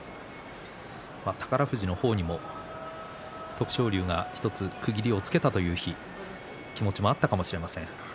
宝富士の方にも徳勝龍が１つ区切りをつけたという気持ちがあったかもしれません。